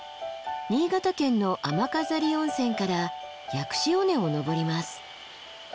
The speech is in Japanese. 新潟県の雨飾温泉から薬師尾根を登ります。